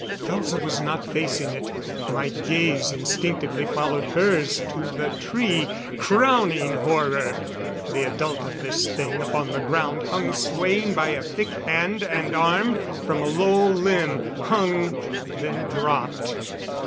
Elza was not facing it; my gaze instinctively followed hers to the tree. Crowning horror! The adult of this thing upon the ground hung swaying by a thick hand and arm from a low limb; hung, then dropped.